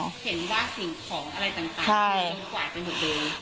เห็นว่าสิ่งของอะไรต่างต่างควาดเป็นทุกอย่าง